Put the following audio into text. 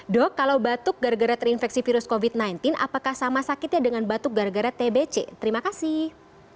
dok kalau batuk gara gara terinfeksi virus covid sembilan belas apakah sama sakitnya dengan batuk gara gara tbc terima kasih